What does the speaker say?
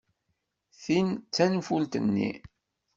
Tin d tanfult-nni.